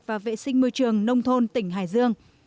nước sạch và vệ sinh môi trường nông thôn tỉnh hải dương